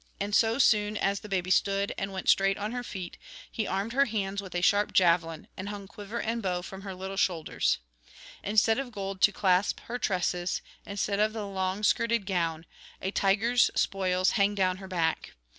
And so soon as the baby stood and went straight on her feet, he armed her hands with a sharp javelin, and hung quiver and bow from her little shoulders. Instead of gold to clasp her tresses, instead of the long skirted gown, a tiger's spoils hang down her back.